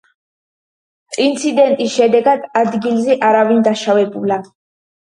ინციდენტის შედეგად, ადგილზე არავინ დაშავებულა.